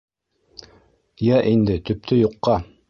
— Йә инде, — төптө юҡҡа...